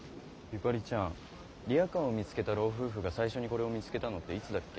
ゆかりちゃんリアカーを見つけた老夫婦が最初にこれを見つけたのっていつだっけ？